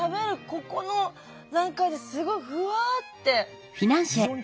ここの段階ですごいふわって。